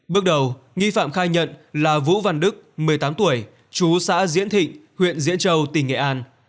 bước đầu nghi phạm khai nhận là vũ văn đức một mươi tám tuổi chú xã diễn thịnh huyện diễn châu tỉnh nghệ an